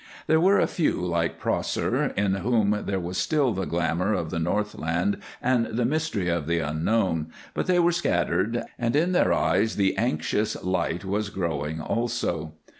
There were a few like Prosser, in whom there was still the glamour of the Northland and the mystery of the unknown, but they were scattered, and in their eyes the anxious light was growing also.